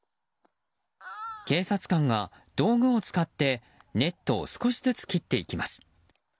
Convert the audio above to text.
警察官が道具を使ってネットを少しずつ切っていきます。